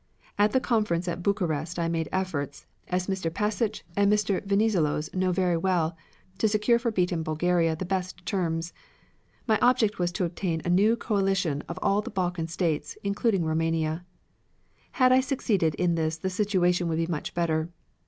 At the conference at Bucharest I made efforts, as Mr. Pashich and Mr. Venizelos know very well, to secure for beaten Bulgaria the best terms. My object was to obtain a new coalition of all the Balkan States, including Roumania. Had I succeeded in this the situation would be much better.